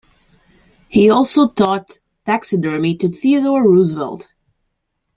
He also taught taxidermy to Theodore Roosevelt.